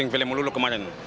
film melulus kemarin